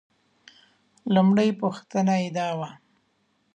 لومړۍ پوښتنه یې دا وه.